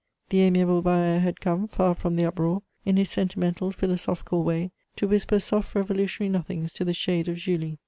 The amiable Barère had come, far from the uproar, in his sentimental, philosophical way, to whisper soft revolutionary nothings to the shade of Julie.